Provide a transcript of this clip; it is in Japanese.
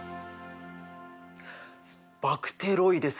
バクテロイデス？